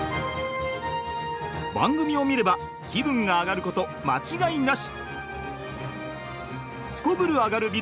番組を見れば気分がアガること間違いなし！